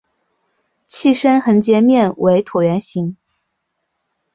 器身横截面为椭圆形。